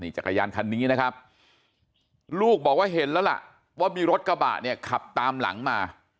จักรยานคันนี้นะครับลูกบอกว่าเห็นแล้วล่ะว่ามีรถกระบะเนี่ยขับตามหลังมา